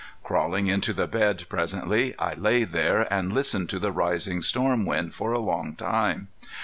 Crawling into the bed presently, I lay there and listened to the rising storm wind for a long time.